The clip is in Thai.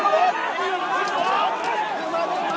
มารับผู้ได้รับบาดเจ็บค่ะ